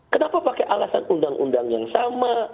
kenapa pakai alasan undang undang yang sama